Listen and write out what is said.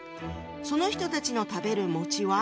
その人たちの食べるは？